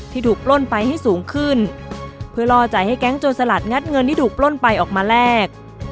ที่ถูกปล้นไปให้สูงขึ้นเพื่อรอจ่ายให้แก๊งโจรสลัดงัดเงินที่ถูกปล้นไปออกมาแลก